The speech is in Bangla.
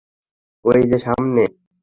ওই যে, সামনে!